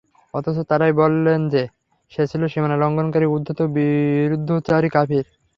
অথচ তারাই বলেন যে, সে ছিল সীমালংঘনকারী, উদ্ধত ও বিরুদ্ধাচারী কাফির।